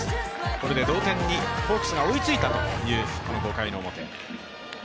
これで同点にホークスが追いついたという５回の表。